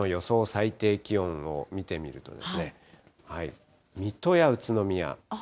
最低気温を見てみるとですね、水戸や宇都宮。